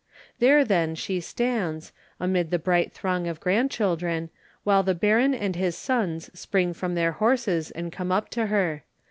There, then, she stands, amid the bright throng of grandchildren, while the Baron and his sons spring from their horses and come up to her.